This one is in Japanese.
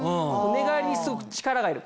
寝返りにすごく力がいる。